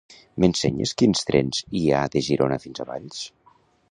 M'ensenyes quins trens hi ha de Girona fins a Valls?